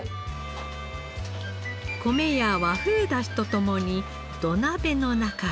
米や和風だしと共に土鍋の中へ。